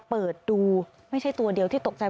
เปิดดูไม่ใช่ตัวเดียวที่ตกใจ